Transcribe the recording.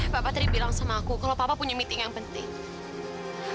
bapak tadi bilang sama aku kalau papa punya meeting yang penting